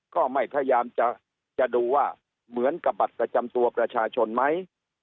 ก็ไม่พยายามจะดูว่าเหมือนกับบัตรประจำตัวประชาชนไหม